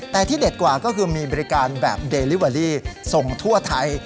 แต่ที่เด็ดกว่าก็คือมีบริการแบบเดลิเวอรี่ส่งทั่วไทย